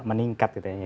meningkat gitu ya